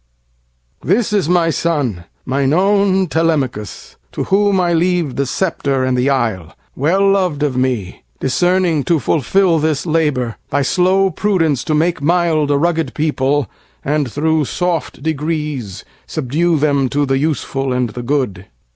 This is my son, mine own Telemachus, To whom I leave the sceptre and the isle—Well lov'd of me, discerning to fulfilThis labor, by slow prudence to make mildA rugged people, and thro' soft degreesSubdue them to the useful and the good.